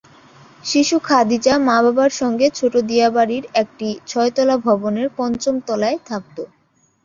শিশু খাদিজা মা-বাবার সঙ্গে ছোট দিয়াবাড়ির একটি ছয়তলা ভবনের পঞ্চম তলায় থাকত।